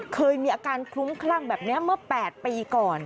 เคยมีอาการคลุ้มคลั่งแบบนี้เมื่อ๘ปีก่อน